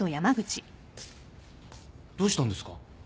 どうしたんですか？